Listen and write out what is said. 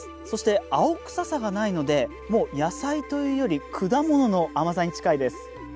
そして青臭さがないので野菜というより、果物の甘さに近いです。